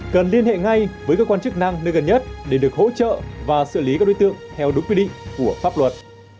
cần liên hệ ngay với cơ quan chức năng nơi gần nhất để được hỗ trợ và xử lý các đối tượng theo đúng quy định của pháp luật